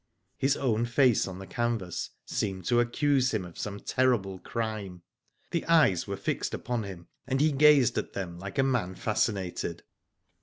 His own face on the canvas seemed to accuse him of some terrible crime. The eyes were fixed upon him, and he gazed at them like a man fascinated.